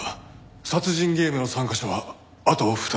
殺人ゲームの参加者はあと２人。